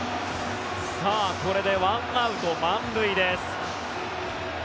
これで１アウト満塁です。